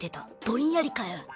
ぼんやりかよ。